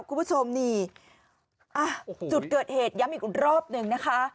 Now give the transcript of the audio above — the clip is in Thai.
คุณผู้ชมนี่อ่ะจุดเกิดเหตุย้ำอีกรอบหนึ่งนะคะ